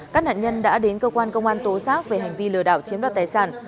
các nạn nhân đã đến cơ quan công an tố giác về hành vi lừa đảo chiếm đoạt tài sản